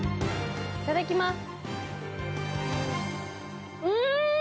いただきます。